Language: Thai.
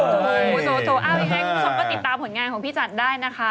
ให้คุณชอบก็ติดตามงานของพี่จันได้นะคะ